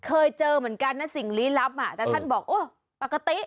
เคยเจอเหมือนกันนะสิ่งลี้ลับอ่ะแต่ท่านบอกโอ้ปกติ